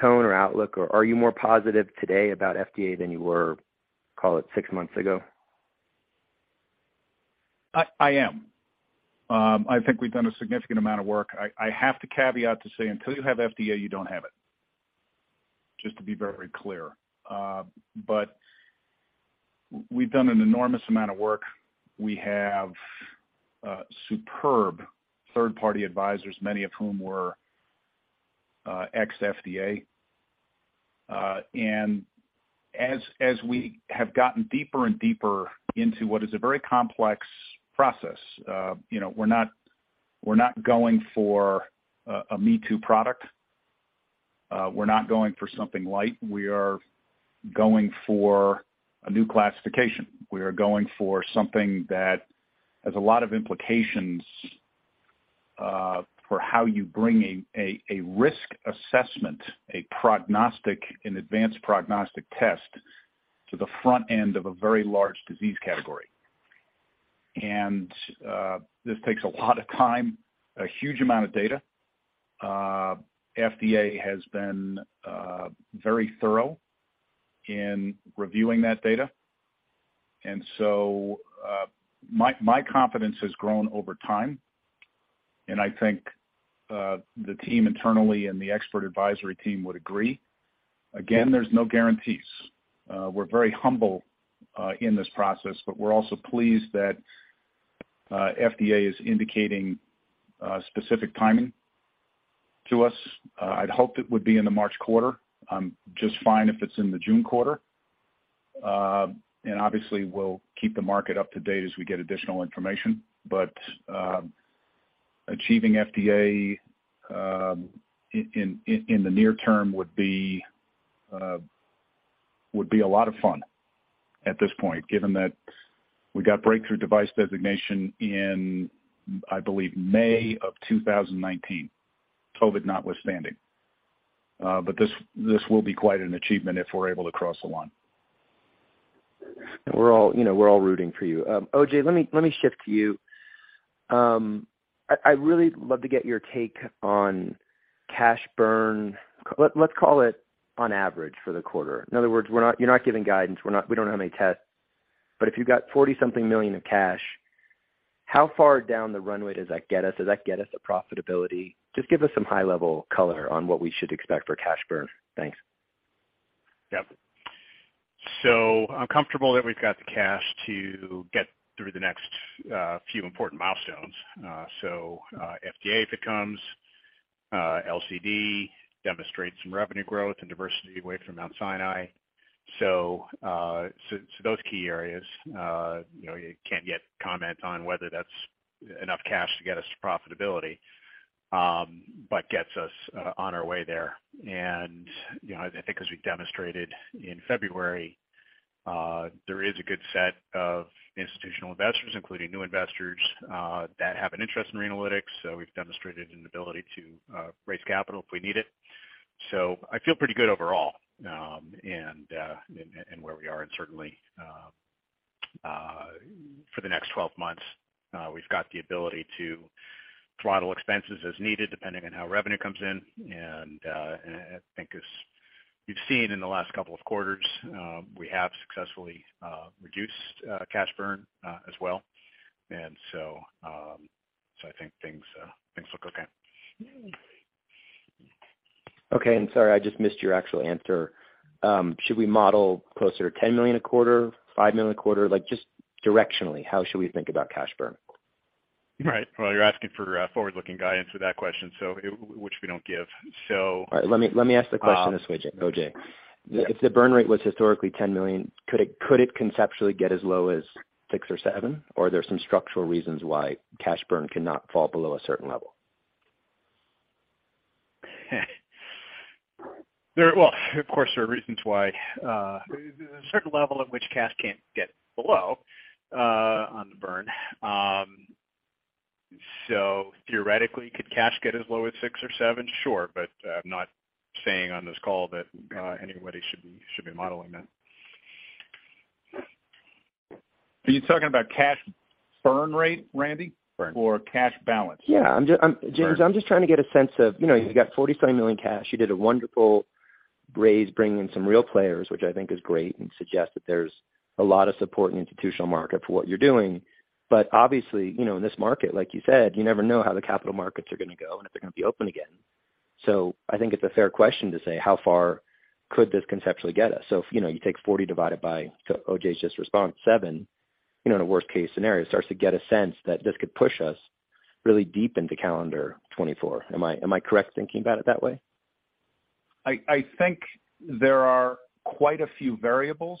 tone or outlook, or are you more positive today about FDA than you were, call it six months ago? I am. I think we've done a significant amount of work. I have to caveat to say until you have FDA, you don't have it, just to be very clear. but we've done an enormous amount of work. We have superb third-party advisors, many of whom were ex-FDA. and as we have gotten deeper and deeper into what is a very complex process, you know, we're not going for a me-too product. We're not going for something light. We are going for a new classification. We are going for something that has a lot of implications for how you bring a risk assessment, a prognostic, an advanced prognostic test to the front end of a very large disease category. This takes a lot of time, a huge amount of data. FDA has been very thorough in reviewing that data, my confidence has grown over time, and I think the team internally and the expert advisory team would agree. There's no guarantees. We're very humble in this process, but we're also pleased that FDA is indicating specific timing to us. I'd hoped it would be in the March quarter. I'm just fine if it's in the June quarter. Obviously we'll keep the market up to date as we get additional information. Achieving FDA in the near term would be a lot of fun at this point, given that we got Breakthrough Device designation in, I believe, May of 2019, COVID notwithstanding. This will be quite an achievement if we're able to cross the line. We're all, you know, we're all rooting for you. O.J, let me shift to you. I'd really love to get your take on cash burn, let's call it on average for the quarter. In other words, You're not giving guidance. We don't have any tests. If you've got $40 something million of cash, how far down the runway does that get us? Does that get us a profitability? Just give us some high-level color on what we should expect for cash burn. Thanks. Yep. I'm comfortable that we've got the cash to get through the next few important milestones. FDA, if it comes, LCD demonstrates some revenue growth and diversity away from Mount Sinai. those key areas, you know, you can't yet comment on whether that's enough cash to get us to profitability, but gets us on our way there. You know, I think as we demonstrated in February, there is a good set of institutional investors, including new investors, that have an interest in Renalytix. We've demonstrated an ability to raise capital if we need it. I feel pretty good overall, and where we are and certainly for the next 12 months, we've got the ability to throttle expenses as needed, depending on how revenue comes in. I think as you've seen in the last couple of quarters, we have successfully reduced cash burn as well. I think things look okay. Okay. Sorry, I just missed your actual answer. Should we model closer to $10 million a quarter, $5 million a quarter? Like, just directionally, how should we think about cash burn? Right. Well, you're asking for a forward-looking guidance with that question, which we don't give. All right. Let me ask the question this way, OJ. Yes. If the burn rate was historically $10 million, could it, could it conceptually get as low as 6 or 7? Or are there some structural reasons why cash burn cannot fall below a certain level? Well, of course, there are reasons why there's a certain level at which cash can't get below on the burn. Theoretically, could cash get as low as 6 or 7? Sure. I'm not saying on this call that anybody should be modeling that. Are you talking about cash burn rate, Randy? Burn. Cash balance? Yeah. I'm- Burn. James, I'm just trying to get a sense of, you know, you've got $47 million cash. You did a wonderful raise bringing in some real players, which I think is great and suggests that there's a lot of support in the institutional market for what you're doing. Obviously, you know, in this market, like you said, you never know how the capital markets are gonna go and if they're gonna be open again. I think it's a fair question to say, how far could this conceptually get us? If, you know, you take 40 divided by O.J's just response, 7, you know, in a worst-case scenario, it starts to get a sense that this could push us really deep into calendar 2024. Am I correct thinking about it that way? I think there are quite a few variables.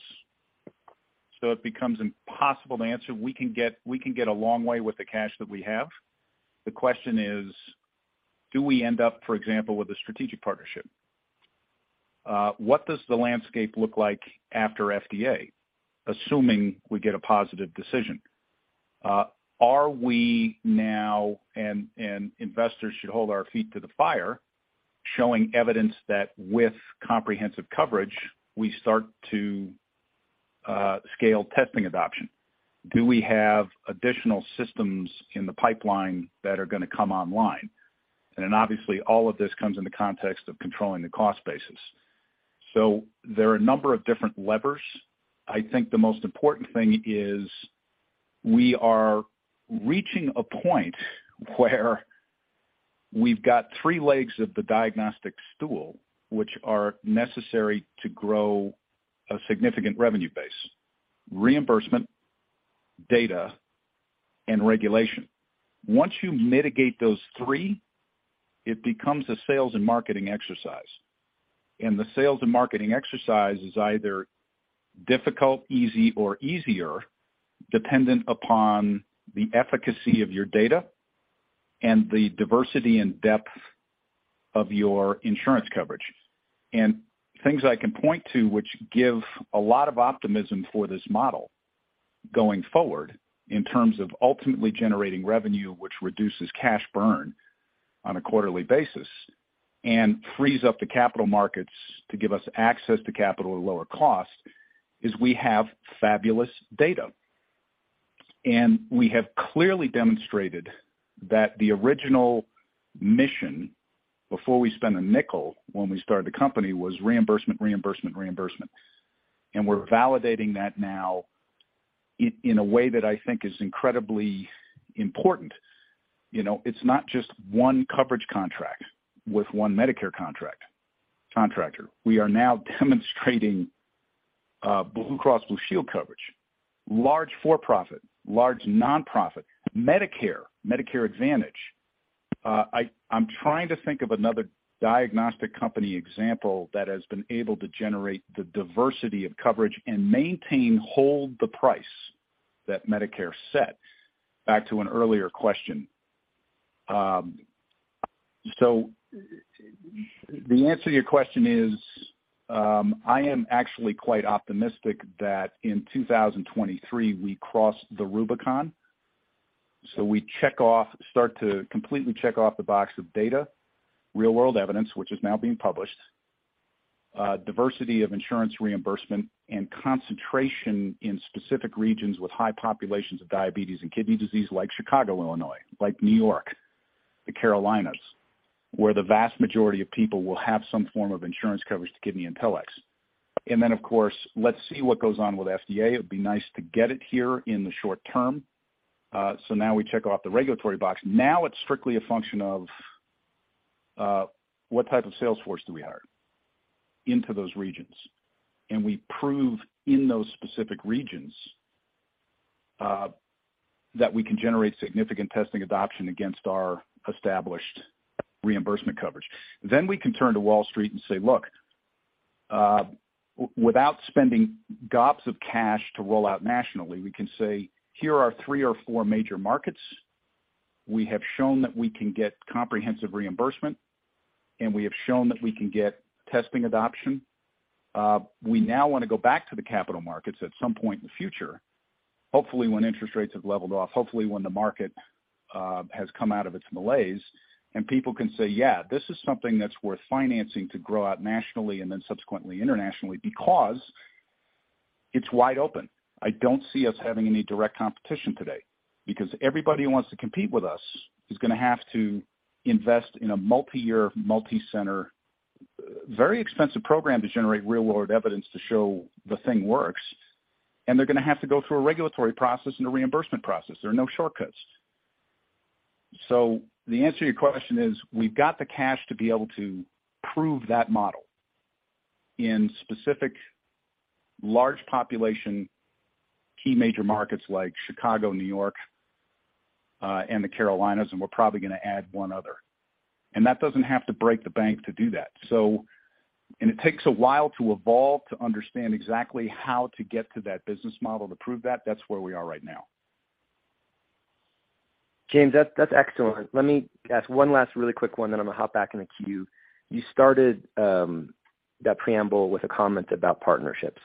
It becomes impossible to answer. We can get a long way with the cash that we have. The question is, do we end up, for example, with a strategic partnership? What does the landscape look like after FDA, assuming we get a positive decision? Are we now, and investors should hold our feet to the fire, showing evidence that with comprehensive coverage, we start to scale testing adoption? Do we have additional systems in the pipeline that are gonna come online? Obviously, all of this comes in the context of controlling the cost basis. There are a number of different levers. I think the most important thing is we are reaching a point where we've got 3 legs of the diagnostic stool, which are necessary to grow a significant revenue base: reimbursement, data, and regulation. Once you mitigate those three, it becomes a sales and marketing exercise. The sales and marketing exercise is either difficult, easy or easier dependent upon the efficacy of your data and the diversity and depth of your insurance coverage. Things I can point to which give a lot of optimism for this model going forward in terms of ultimately generating revenue, which reduces cash burn on a quarterly basis and frees up the capital markets to give us access to capital at lower cost, is we have fabulous data. We have clearly demonstrated that the original mission before we spent a nickel when we started the company was reimbursement, reimbursement. We're validating that now in a way that I think is incredibly important. You know, it's not just one coverage contract with one Medicare contractor. We are now demonstrating, Blue Cross Blue Shield coverage, large for-profit, large non-profit, Medicare Advantage. I'm trying to think of another diagnostic company example that has been able to generate the diversity of coverage and maintain, hold the price that Medicare sets back to an earlier question. The answer to your question is, I am actually quite optimistic that in 2023 we cross the Rubicon. We start to completely check off the box of data, real-world evidence, which is now being published, diversity of insurance reimbursement and concentration in specific regions with high populations of diabetes and kidney disease like Chicago, Illinois, like New York, the Carolinas, where the vast majority of people will have some form of insurance coverage to KidneyIntelX. Then, of course, let's see what goes on with FDA. It would be nice to get it here in the short term. Now we check off the regulatory box. Now it's strictly a function of what type of sales force do we hire into those regions? We prove in those specific regions that we can generate significant testing adoption against our established reimbursement coverage. We can turn to Wall Street and say, "Look, without spending gobs of cash to roll out nationally," we can say, "Here are 3 or 4 major markets. We have shown that we can get comprehensive reimbursement, and we have shown that we can get testing adoption." We now wanna go back to the capital markets at some point in the future, hopefully when interest rates have leveled off, hopefully when the market has come out of its malaise, and people can say, "Yeah, this is something that's worth financing to grow out nationally and then subsequently internationally," because it's wide open. I don't see us having any direct competition today because everybody who wants to compete with us is gonna have to invest in a multi-year, multi-center, very expensive program to generate real-world evidence to show the thing works. They're gonna have to go through a regulatory process and a reimbursement process. There are no shortcuts. The answer to your question is we've got the cash to be able to prove that model in specific large population, key major markets like Chicago, New York, and the Carolinas, and we're probably gonna add one other. That doesn't have to break the bank to do that. It takes a while to evolve to understand exactly how to get to that business model to prove that. That's where we are right now. James, that's excellent. Let me ask one last really quick one, then I'm gonna hop back in the queue. You started that preamble with a comment about partnerships.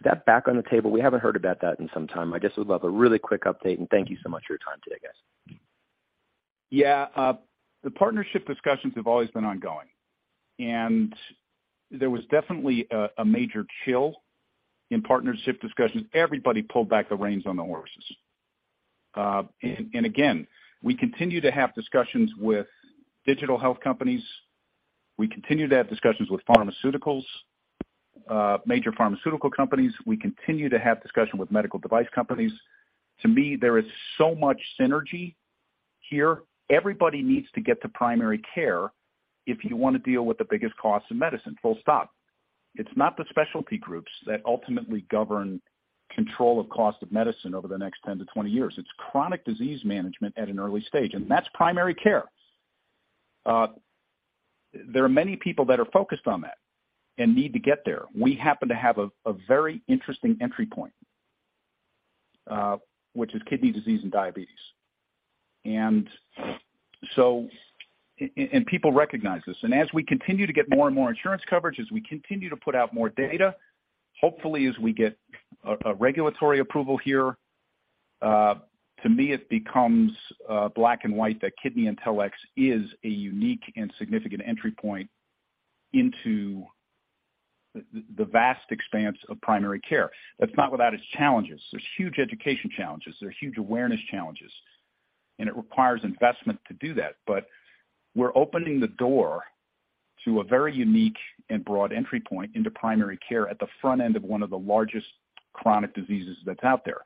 Is that back on the table? We haven't heard about that in some time. I just would love a really quick update and thank you so much for your time today, guys. The partnership discussions have always been ongoing. There was definitely a major chill in partnership discussions. Everybody pulled back the reins on the horses. Again, we continue to have discussions with digital health companies. We continue to have discussions with pharmaceuticals, major pharmaceutical companies. We continue to have discussion with medical device companies. To me, there is so much synergy here. Everybody needs to get to primary care if you wanna deal with the biggest cost of medicine, full stop. It's not the specialty groups that ultimately govern control of cost of medicine over the next 10-20 years. It's chronic disease management at an early stage, that's primary care. There are many people that are focused on that and need to get there. We happen to have a very interesting entry point, which is kidney disease and diabetes. People recognize this. As we continue to get more and more insurance coverage, as we continue to put out more data, hopefully as we get a regulatory approval here, to me it becomes black and white that KidneyIntelX is a unique and significant entry point into the vast expanse of primary care. That's not without its challenges. There's huge education challenges. There are huge awareness challenges. It requires investment to do that. We're opening the door to a very unique and broad entry point into primary care at the front end of one of the largest chronic diseases that's out there.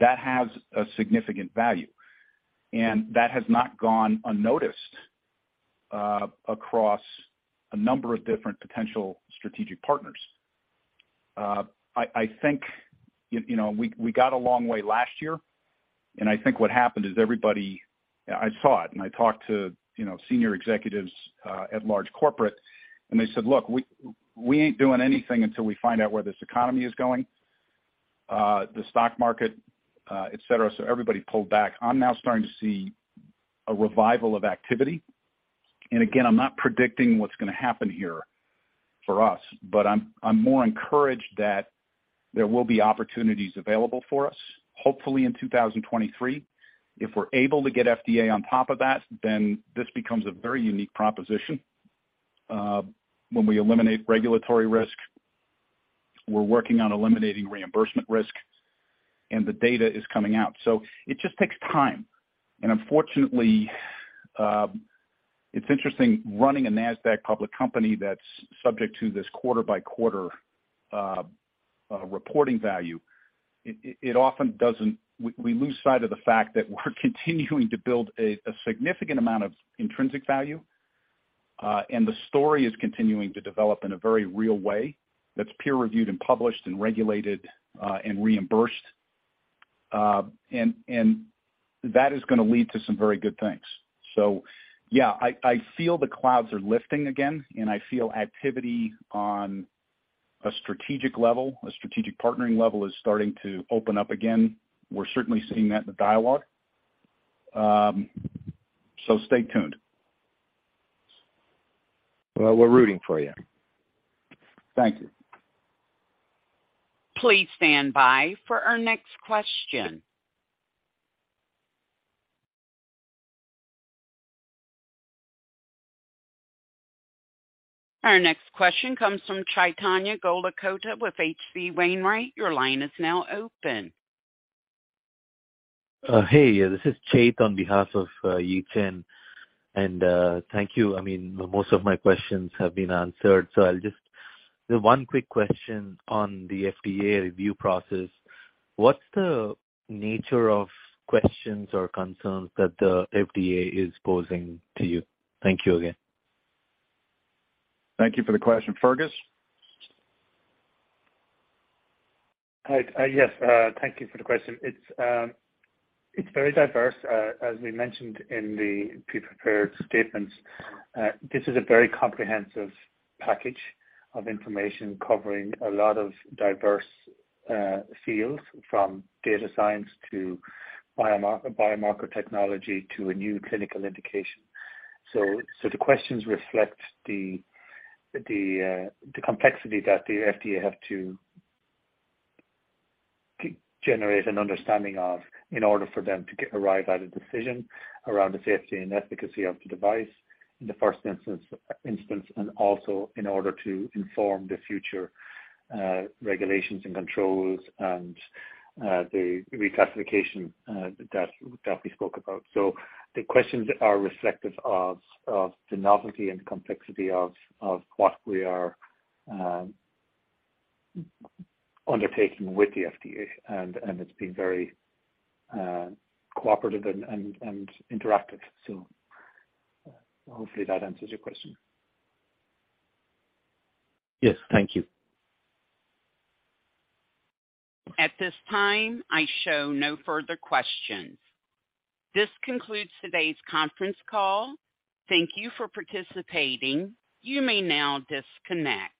That has a significant value, and that has not gone unnoticed across a number of different potential strategic partners. I think, you know, we got a long way last year, and I think what happened is everybody I saw it and I talked to, you know, senior executives, at large corporate, and they said, "Look, we ain't doing anything until we find out where this economy is going, the stock market, et cetera." Everybody pulled back. I'm now starting to see a revival of activity. Again, I'm not predicting what's gonna happen here for us, but I'm more encouraged that there will be opportunities available for us, hopefully in 2023. If we're able to get FDA on top of that, this becomes a very unique proposition when we eliminate regulatory risk. We're working on eliminating reimbursement risk, the data is coming out. It just takes time. Unfortunately, it's interesting running a Nasdaq public company that's subject to this quarter by quarter, reporting value. We lose sight of the fact that we're continuing to build a significant amount of intrinsic value, and the story is continuing to develop in a very real way that's peer-reviewed and published and regulated, and reimbursed. And that is gonna lead to some very good things. Yeah, I feel the clouds are lifting again, and I feel activity on a strategic level, a strategic partnering level is starting to open up again. We're certainly seeing that in the dialogue. Stay tuned. Well, we're rooting for you. Thank you. Please stand by for our next question. Our next question comes from Chaitanya Golakota with H.C. Wainwright. Your line is now open. Hey, this is Chait on behalf of Yi Chen. Thank you. I mean, most of my questions have been answered. I'll just. One quick question on the FDA review process. What's the nature of questions or concerns that the FDA is posing to you? Thank you again. Thank you for the question. Fergus? Hi. Yes, thank you for the question. It's very diverse. As we mentioned in the pre-prepared statements, this is a very comprehensive package of information covering a lot of diverse fields from data science to biomarker technology to a new clinical indication. The questions reflect the complexity that the FDA have to generate an understanding of in order for them to arrive at a decision around the safety and efficacy of the device in the first instance, and also in order to inform the future regulations and controls and the reclassification that we spoke about. The questions are reflective of the novelty and complexity of what we are undertaking with the FDA, and it's been very cooperative and interactive. Hopefully that answers your question. Yes. Thank you. At this time, I show no further questions. This concludes today's conference call. Thank you for participating. You may now disconnect.